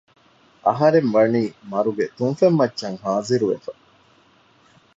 އަހަރެންވަނީ މަރުގެ ތުންފަތްމައްޗަށް ހާޒިރުވެފަ